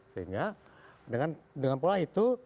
sehingga dengan pola itu